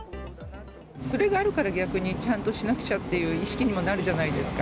それがあるから逆にちゃんとしなくちゃっていう意識にもなるじゃないですか。